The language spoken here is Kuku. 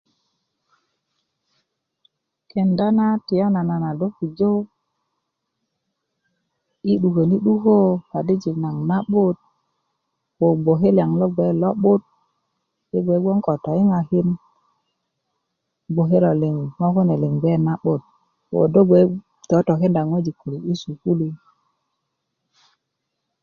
kenda na tiyanana do pujö yi' duköni 'dukö kadijin naŋ na'but ko gboke liyaŋ lo gbe lo'but yi' gne gboŋ ko toyiŋakin ŋo' kune liŋ gbe na'but ooo do totokenda ŋojik köluk yi sukulu